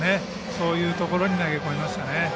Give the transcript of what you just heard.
そういうところに投げ込みましたね。